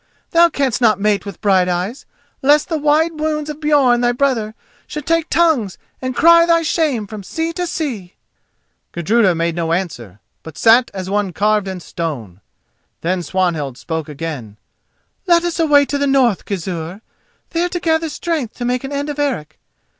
Thou canst not mate with Brighteyes, lest the wide wounds of Björn thy brother should take tongues and cry thy shame from sea to sea!" Gudruda made no answer, but sat as one carved in stone. Then Swanhild spoke again: "Let us away to the north, Gizur; there to gather strength to make an end of Eric.